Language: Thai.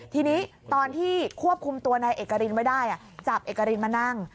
ทีนี้ตอนที่ควบคุมตัวนายเอกรินไว้ได้จับเอกรินมานั่ง